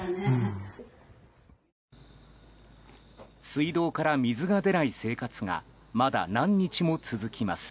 水道から水が出ない生活がまだ何日も続きます。